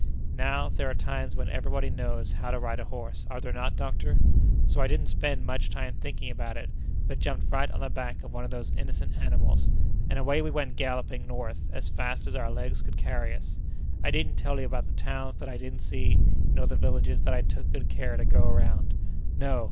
Now, there are times when everybody knows how to ride a horse, are there not, doctor? So I didn't spend much time thinking about it, but jumped right on the back of one of those innocent animals and away we went galloping north as fast as our legs could carry us. I needn't tell you about the towns that I didn't see nor the villages that I took good care to go around. No!